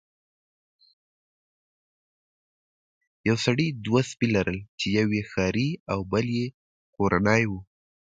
یو سړي دوه سپي لرل چې یو یې ښکاري او بل یې کورنی و.